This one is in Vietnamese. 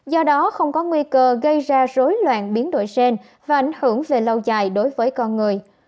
do đó không có nguy cơ gây ra rối loạn biến đổi gen và ảnh hưởng về lâu dài đối với con người